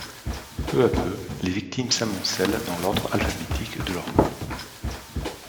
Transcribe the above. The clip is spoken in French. Peu à peu, les victimes s'amoncellent dans l'ordre alphabétique de leurs noms.